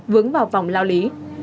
vướng vào vòng lao lý